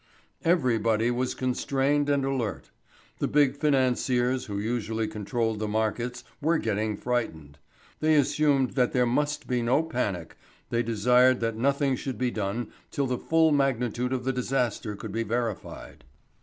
Everybody was constrained and alert. The big financiers who usually controlled the markets were getting frightened. They assumed that there must be no panic, they desired that nothing should be done till the full magnitude of the disaster could be verified.